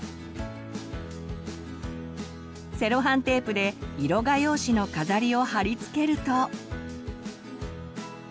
セロハンテープで色画用紙の飾りを貼り付けると。